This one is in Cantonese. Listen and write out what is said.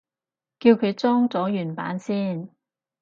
叫佢裝咗原版先